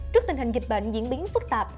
trước tình hình dịch bệnh diễn biến phức tạp